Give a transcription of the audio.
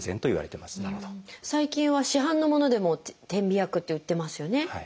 最近は市販のものでも点鼻薬って売ってますよね。